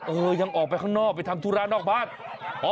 เออยังออกไปข้างนอกไปทำธุระนอกบ้าน